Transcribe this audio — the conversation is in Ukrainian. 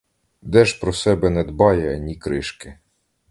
Де ж, про себе не дбає ані кришки!